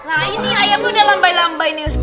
nah ini ayamnya udah lambai lambai nih ustadz